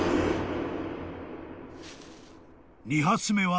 ［２発目は］